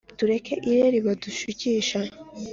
tureke irari badushukisha